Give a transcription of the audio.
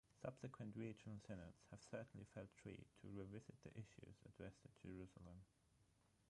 Subsequent regional synods have certainly felt free to revisit the issues addressed in Jerusalem.